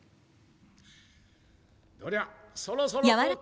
どりゃそろそろ。